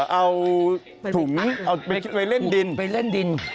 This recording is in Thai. เอาถุงไปเล่นดิน